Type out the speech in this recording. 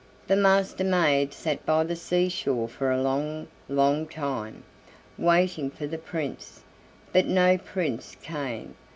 The Master maid sat by the sea shore for a long, long time, waiting for the Prince, but no Prince came.